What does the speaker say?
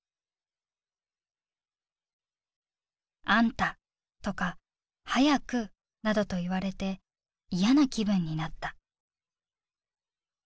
「『あんた』とか『早く』などと言われて嫌な気分になった」。